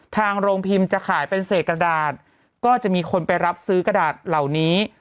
ทางโรงพิมพ์จะขายเป็นเศษกระดาษก็จะมีคนไปรับซื้อกระดาษเหล่านี้